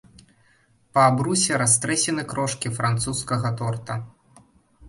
Па абрусе растрэсены крошкі французскага торта.